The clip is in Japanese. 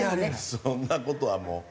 そんな事はもう。